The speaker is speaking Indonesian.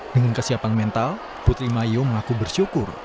dengan kesiapan mental putri mayo mengaku bersyukur